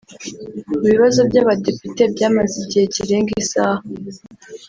Mu bibazo by’Abadepite byamaze igihe kirenga isaha